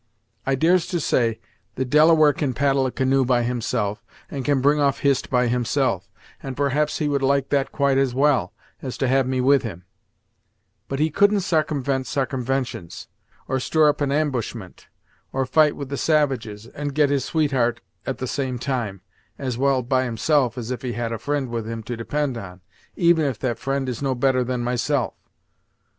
I dares to say, the Delaware can paddle a canoe by himself, and can bring off Hist by himself, and perhaps he would like that quite as well, as to have me with him; but he couldn't sarcumvent sarcumventions, or stir up an ambushment, or fight with the savages, and get his sweetheart at the same time, as well by himself as if he had a fri'nd with him to depend on, even if that fri'nd is no better than myself.